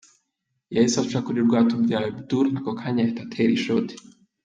Yahise aca kuri Rwatubyaye Abdoul ako kanya ahita atera ishoti.